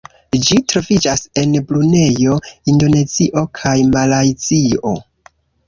Ĝi troviĝas en Brunejo, Indonezio kaj Malajzio.